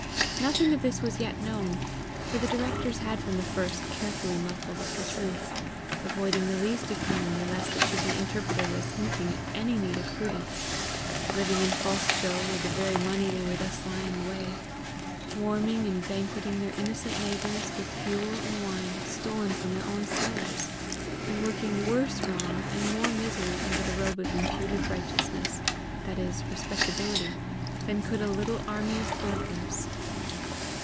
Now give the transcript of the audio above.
Nothing of this was yet known, for the directors had from the first carefully muffled up the truth, avoiding the least economy lest it should be interpreted as hinting at any need of prudence; living in false show with the very money they were thus lying away, warming and banqueting their innocent neighbours with fuel and wine stolen from their own cellars; and working worse wrong and more misery under the robe of imputed righteousness, that is, respectability, than could a little army of burglars.